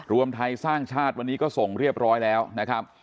รวมไทยสร้างชาติวันนี้ก็ส่งเรียบร้อยแล้วนะครับ